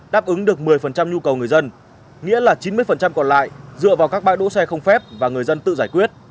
đáp ứng được một mươi nhu cầu người dân nghĩa là chín mươi còn lại dựa vào các bãi đỗ xe không phép và người dân tự giải quyết